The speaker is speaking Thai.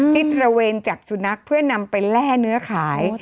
ที่เตรียมจากสุนัขเพื่อนำไปแล่เนื้อขาย